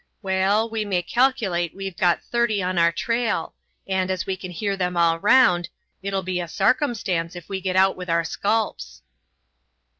Waal, we may, calculate we've got thirty on our trail, and, as we can hear them all round, it'll be a sarcumstance if we git out with our sculps."